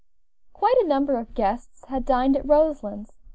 Quite a number of guests had dined at Roselands.